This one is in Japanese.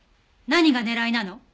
何が狙いなの？